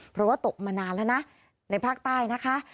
เพราะว่าตกมานานแล้วนะในภาคใต้นะคะ